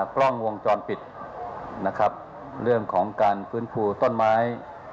ปล้องวงจรปิดเรื่องของการฟื้นภูต้นไม้